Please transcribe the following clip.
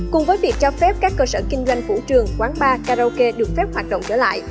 cùng với việc cho phép các cơ sở kinh doanh vũ trường quán bar karaoke được phép hoạt động trở lại